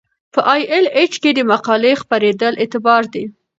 په ای ایل ایچ کې د مقالې خپریدل اعتبار دی.